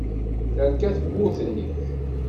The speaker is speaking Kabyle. Terka tewwurt-nni.